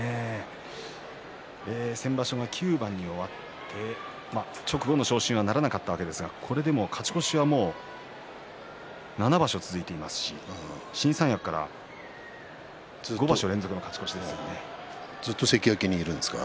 先場所は９番に終わって直後の昇進はならなかったわけですがこれでも勝ち越しはもう７場所続いていますし新三役からずっと関脇にいるんですか？